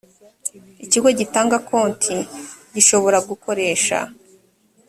ikigo gitanga konti gishobora gukoresha